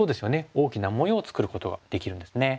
大きな模様を作ることができるんですね。